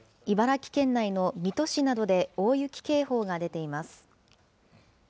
茨城県内の水戸市などで大雪警報が出ています。